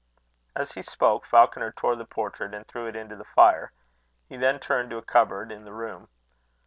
As he spoke, Falconer tore the portrait and threw it into the fire. He then turned to a cupboard in the room.